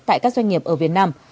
tại các doanh nghiệp ở việt nam